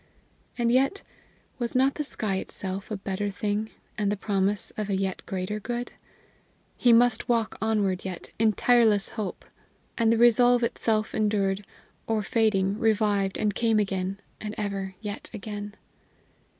And yet, was not the sky itself a better thing, and the promise of a yet greater good? He must walk onward yet, in tireless hope! And the resolve itself endured or fading, revived, and came again, and ever yet again.